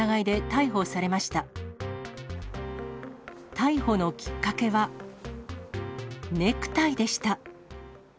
逮捕のきっかけは、ネクタイでした。